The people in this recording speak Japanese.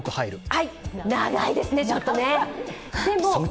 はい、長いですね、ちょっとね。